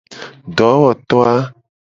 Dowoto a.